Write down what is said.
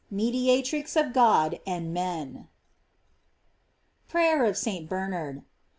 mediatrix of God and men! PRAYER OF ST. BERNARD.